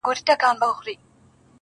د اوبو وږي نهنگ یوه گوله کړ،